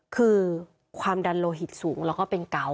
คือความดันโลหิตสูงและเป็นเก๋าค่ะ